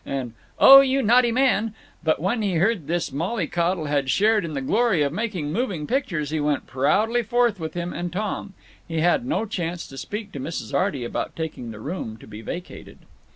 _" and "Oh, you naughty man," but when he heard that this molly coddle had shared in the glory of making moving pictures he went proudly forth with him and Tom. He had no chance to speak to Mrs. Arty about taking the room to be vacated.